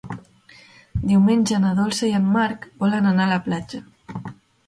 Diumenge na Dolça i en Marc volen anar a la platja.